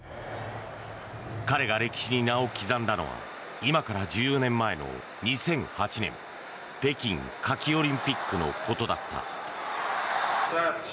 彼が歴史に名を刻んだのは今から１４年前の２００８年北京夏季オリンピックのことだった。